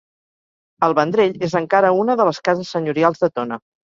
El Vendrell és encara una de les cases senyorials de Tona.